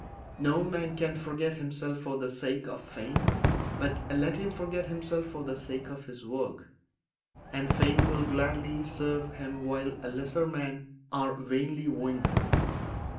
No man can forget himself for the sake of fame; but let him forget himself for the sake of his work, and fame will gladly serve him while lesser men are vainly wooing her.